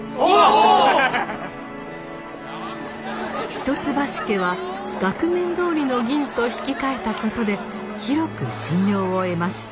一橋家は額面どおりの銀と引き換えたことで広く信用を得ました。